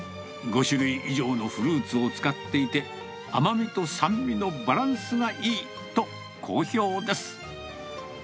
５種類以上のフルーツを使っていて、甘みと酸味のバランスがいいと、好評です。